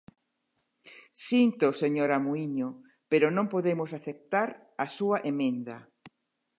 Síntoo, señora Muíño, pero non podemos aceptar a súa emenda.